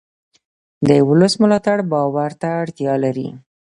د ولس ملاتړ باور ته اړتیا لري